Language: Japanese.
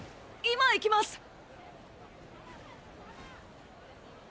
今行きます！